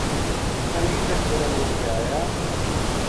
سنگی جس بِڑے مڑ کے آیا